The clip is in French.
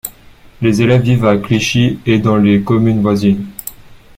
Les élèves vivent à Clichy et dans les communes voisines.